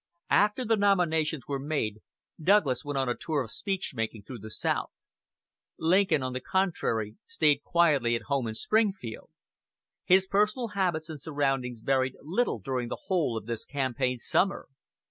After the nominations were made Douglas went on a tour of speech making through the South. Lincoln, on the contrary, stayed quietly at home in Springfield. His personal habits and surroundings varied little during the whole of this campaign summer.